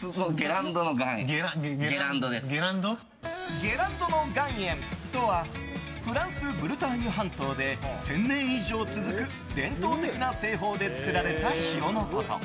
ゲランドの岩塩とはフランス・ブルターニュ半島で１０００年以上続く伝統的な製法で作られた塩のこと。